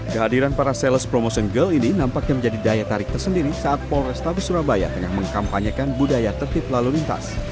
kehadiran para sales promotion girl ini nampaknya menjadi daya tarik tersendiri saat polrestabes surabaya tengah mengkampanyekan budaya tertib lalu lintas